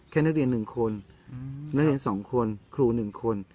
แค่นักเรียนหนึ่งคนนักเรียนสองคนครูหนึ่งคน